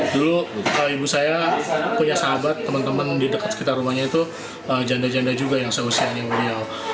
dulu ibu saya punya sahabat teman teman di dekat sekitar rumahnya itu janda janda juga yang seusianya beliau